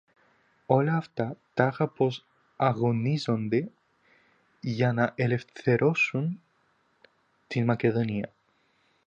Όλα αυτά, τάχα πως αγωνίζονται για να ελευθερώσουν τη Μακεδονία